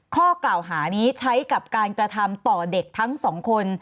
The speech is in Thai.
ข้อกล่าวหานี้ใช้กับการกระทำต่อเด็กทั้งสองคน